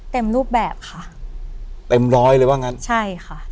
เต็มรูปแบบค่ะเต็มร้อยเลยว่างั้นใช่ค่ะ